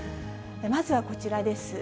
まずはこちらです。